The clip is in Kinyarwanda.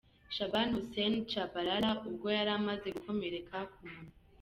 Shaban Hussein Tchabalala ubwo yari amaze gukomereka ku munwa.